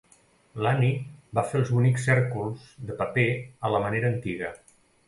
L'Annie va fer els bonics cèrcols de paper a la manera antiga.